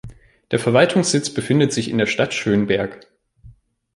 Der Verwaltungssitz befindet sich in der Stadt Schönberg.